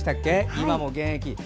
今も現役で。